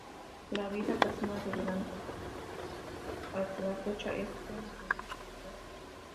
La vida personal de Duarte hasta la fecha es tema de discusión.